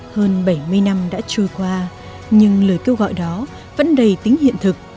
hơn bảy mươi năm đã trôi qua nhưng lời kêu gọi đó vẫn đầy tính hiện thực